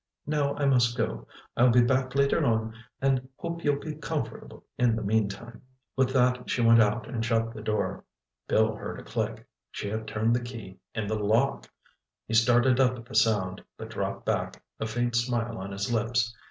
"Now I must go. I'll be back later on and I hope you'll be comfortable in the meantime." With that she went out and shut the door. Bill heard a click. She had turned the key in the lock! He started up at the sound, but dropped back, a faint smile on his lips.